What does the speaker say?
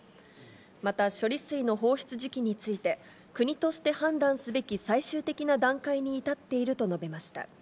また処理水の放出時期について、国として判断すべき最終的な段階に至っていると述べました。